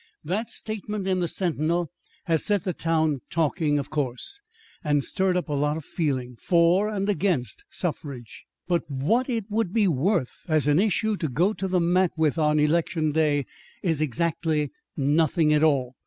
That statement in the Sentinel has set the town talking, of course, and stirred up a lot of feeling, for and against suffrage. But what it would be worth as an issue to go to the mat with on election day, is exactly nothing at all.